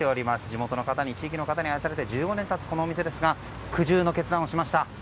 地元の方、地域の方に愛されて１５年経つこのお店ですが苦渋の決断をしました。